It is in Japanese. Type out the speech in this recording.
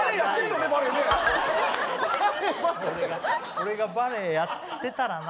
俺がバレエやってたらな。